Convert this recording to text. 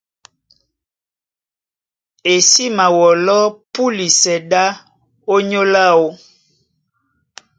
E sí mawɔlɔ́ púlisɛ ɗá ónyólá áō.